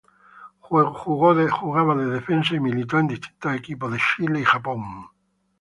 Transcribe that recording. Jugaba de defensa y militó en distintos equipos de Chile y Japón.